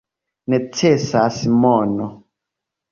Necesas mono.